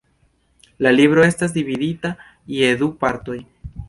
La libro estas dividita je du partoj.